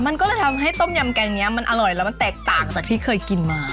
มันก็เลยทำให้ต้มยำแกงนี้มันอร่อยแล้วมันแตกต่างจากที่เคยกินมา